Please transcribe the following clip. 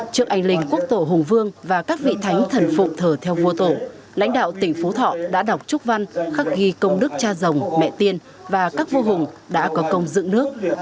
trước anh linh quốc tổ hùng vương và các vị thánh thần phụ thờ theo vua tổ lãnh đạo tỉnh phú thọ đã đọc chúc văn khắc ghi công đức cha rồng mẹ tiên và các vua hùng đã có công dựng nước